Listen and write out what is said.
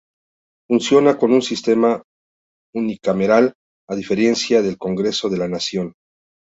Funciona con un sistema unicameral, a diferencia del Congreso de la Nación.